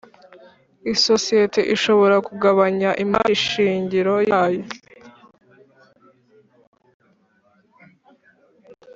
Isosiyete ishobora kugabanya imari shingiro yayo